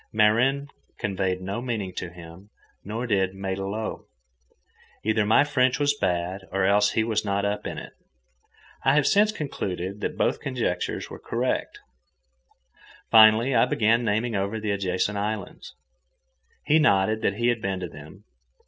Marin conveyed no meaning to him; nor did matelot. Either my French was bad, or else he was not up in it. I have since concluded that both conjectures were correct. Finally, I began naming over the adjacent islands. He nodded that he had been to them.